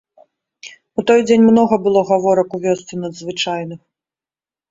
У той дзень многа было гаворак у вёсцы надзвычайных.